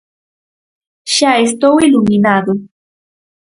Xa estou iluminado.